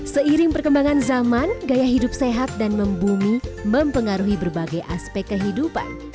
seiring perkembangan zaman gaya hidup sehat dan membumi mempengaruhi berbagai aspek kehidupan